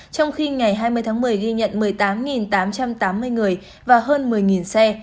trong khi ngày hai mươi tháng một mươi ghi nhận một mươi tám tám trăm tám mươi người và hơn một mươi xe